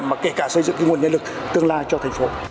mà kể cả xây dựng nguồn nhân lực tương lai cho thành phố